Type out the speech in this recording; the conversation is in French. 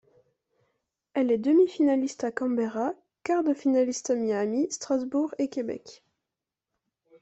Elle est demi-finaliste à Canberra, quart de finaliste à Miami, Strasbourg et Québec.